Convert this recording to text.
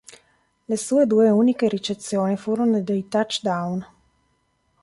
Le sue due uniche ricezioni furono dei touchdown.